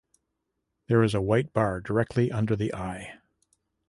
There is a white bar directly under the eye.